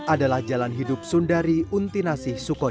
adalah jalan hidup sundari untinasi sukojo